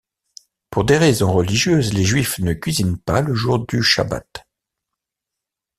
Pour des raisons religieuses, les Juifs ne cuisinent pas le jour du chabbat.